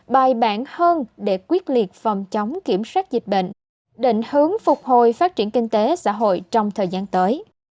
bài bản hơn để quyết liệt phòng chống kiểm soát dịch bệnh định hướng phục hồi phát triển kinh tế xã hội trong thời gian tới